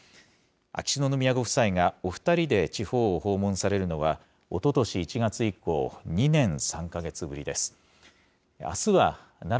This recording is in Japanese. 秋篠宮ご夫妻がお２人で地方を訪問されるのは、おととし１月以降、２年３か月ぶりです。